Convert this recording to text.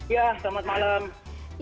ya selamat malam